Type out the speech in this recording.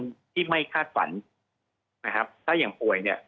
ที่ไม่คาดฝันนะครับถ้าอย่างป่วยเนี่ย